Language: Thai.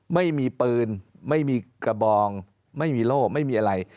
ไม่มีปืนไม่มีกระบองไม่มีโล่ไม่มีอะไร